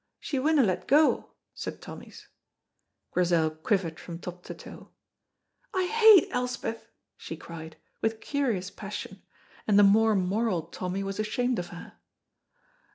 "She winna let go," said Tommy's. Grizel quivered from top to toe. "I hate Elspeth!" she cried, with curious passion, and the more moral Tommy was ashamed of her.